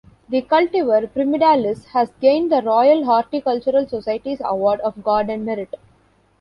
The cultivar 'Pyramidalis' has gained the Royal Horticultural Society's Award of Garden Merit.